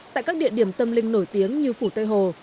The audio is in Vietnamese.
tại các địa điểm tâm linh nổi tiếng như phủ tây hồ